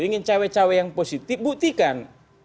ingin cawai cawai yang positif buktikan